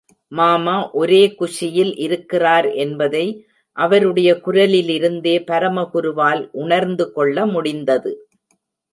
மாமா ஒரே குஷியில் இருக்கிறார் என்பதை அவருடைய குரலிலிருந்தே பரமகுருவால் உணர்ந்து கொள்ள முடிந்தது.